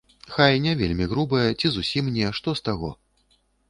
Хай, не вельмі грубая, ці зусім не, што з таго?